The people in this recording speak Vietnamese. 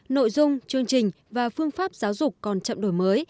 nội dung chương trình và phương pháp giáo dục còn chậm đổi mới